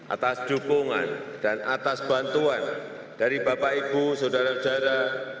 atas dukungan dan atas bantuan dari bapak ibu saudara saudara